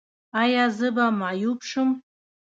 ایا زه به معیوب شم؟